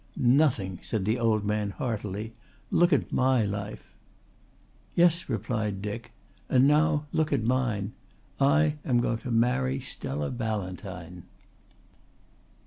"Nothing," said the old man heartily. "Look at my life!" "Yes," replied Dick. "And now look at mine. I am going to marry Stella Ballantyne."